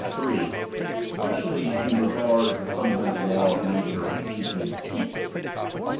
3. Specially, in regard of the funda menUl law of nature in seeking of peace.